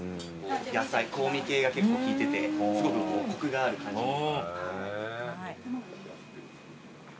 野菜香味系が結構効いててすごくコクがある感じに。